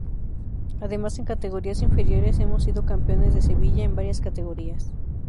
Además, en categorías inferiores, hemos sido campeones de Sevilla en varias categorías.